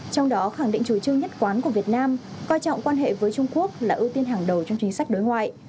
trong đó khẳng định chủ trương nhất quán của việt nam coi trọng quan hệ với trung quốc là ưu tiên hàng đầu trong chính sách đối ngoại